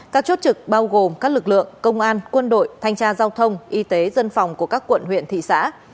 các chốt trực bao gồm các lực lượng công an quân đội thanh tra giao thông y tế dân phòng của các quận huyện thị xã